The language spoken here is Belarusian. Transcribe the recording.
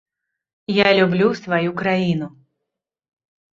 Я люблю сваю краіну.